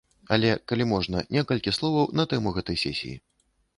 Але, калі можна, некалькі словаў на тэму гэтай сесіі.